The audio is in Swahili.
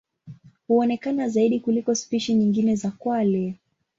Huonekana zaidi kuliko spishi nyingine za kwale.